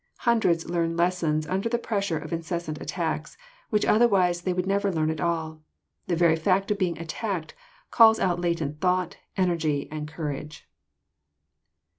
Hundreds learn lessons under the pressure of incessant attacks, which otherwise they would never learn at all. The very fact of being attacked calls out latent thought, energy, and cour age.